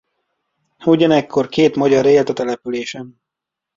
Ugyanekkor két magyar élt a településen.